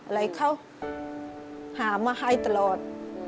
อะไรเขาหามาให้ตลอด